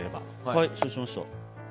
はい承知しました。